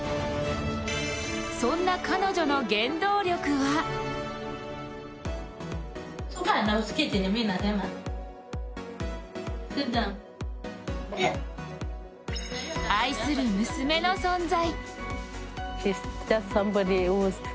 そんな彼女の原動力は愛する娘の存在。